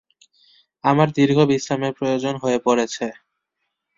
আমার দীর্ঘ বিশ্রামের প্রয়োজন হয়ে পড়েছে।